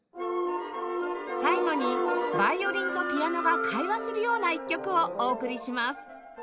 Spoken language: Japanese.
最後にヴァイオリンとピアノが会話するような一曲をお送りします